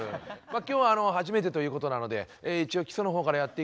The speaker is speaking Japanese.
今日は初めてということなので一応基礎のほうからやって。